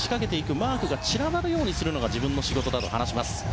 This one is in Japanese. マークが散らばるようにするのが自分の仕事だと話します。